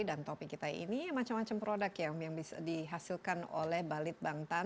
dan topik kita ini macam macam produk yang dihasilkan oleh balid bangtan